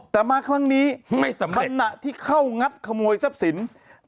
แต่มาครั้งนี้ขณะที่เข้างัดขโมยทรัพย์สินไม่สำเร็จ